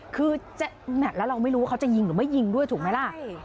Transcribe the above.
คือแมทแล้วเราไม่รู้ว่าเขาจะยิงหรือไม่ยิงด้วยถูกไหมล่ะ